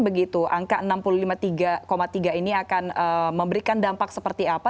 begitu angka enam puluh lima tiga ini akan memberikan dampak seperti apa